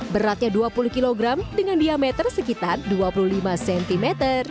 beratnya dua puluh kg dengan diameter sekitar dua puluh lima cm